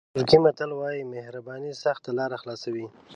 ترکي متل وایي مهرباني سخته لاره خلاصوي.